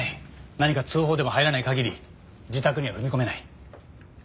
何か通報でも入らない限り自宅には踏み込めない。